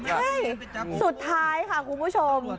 ใช่สุดท้ายค่ะคุณผู้ชม